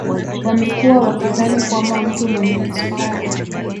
Wamekuwa wakidhani kwamba mtu mwenye kisukari